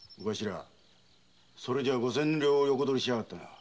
それじゃ五千両横取りしやがったのは？